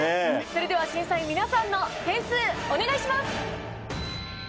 それでは審査員皆さんの点数お願いします。